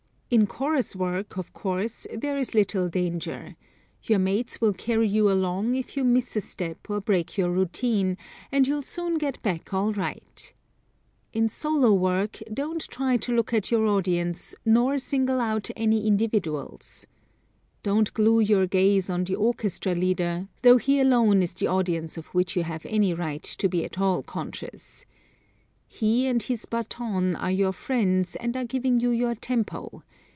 In chorus work, of course, there is little danger. Your mates will carry you along if you miss a step or break your routine, and you'll soon get back all right. In solo work, don't try to look at your audience nor single out any individuals. Don't glue your gaze on the orchestra leader, though he alone is the audience of which you have any right to be at all conscious. He and his baton are your friends and are giving you your tempo.